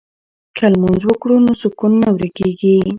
که لمونځ وکړو نو سکون نه ورکيږي.